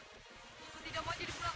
aku tidak mau jadi budak